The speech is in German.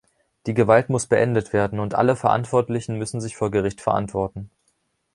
Die Gewalt muss beendet werden, und alle Verantwortlichen müssen sich vor Gericht verantworten.